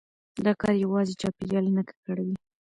دا کار يوازي چاپېريال نه ککړوي،